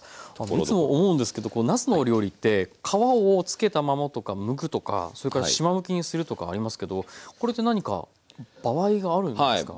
いつも思うんですけどなすのお料理って皮をつけたままとかむくとかそれからしまむきにするとかありますけどこれって何か場合があるんですか？